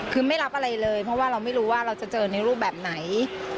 คือไม่รับอะไรเลยเพราะว่าเราไม่รู้ว่าเราจะเจอในรูปแบบไหน